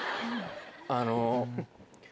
あの。